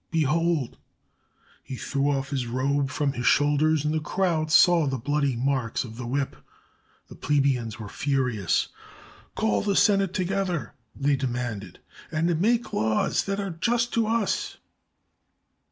Behold!" He threw off his robe from his shoulders, and the crowd saw the bloody marks of the whip. The plebeians were furious. "CaU the Senate together," they demanded, "and make laws that are just to us."